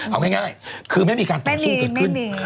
เอาง่ายคือไม่มีการต่อสู้เกิดขึ้น